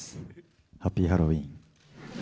ハッピーハロウィーン。